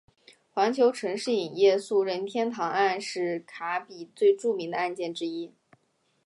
环球城市影业诉任天堂案是卡比最著名的案件之一。